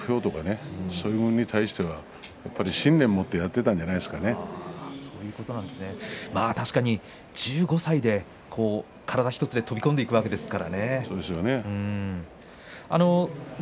どんなに苦しくても目標とかそれに対しては信念を持ってやっていたんでは確かに１５歳で体１つで飛び込んでいくわけですからね。